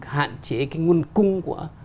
hạn chế cái nguồn cung của